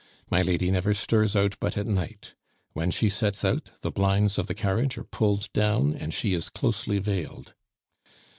My lady never stirs out but at night. When she sets out, the blinds of the carriage are pulled down, and she is closely veiled.